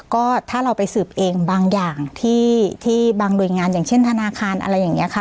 ก็ถ้าเราไปสืบเองบางอย่างที่บางหน่วยงานอย่างเช่นธนาคารอะไรอย่างนี้ค่ะ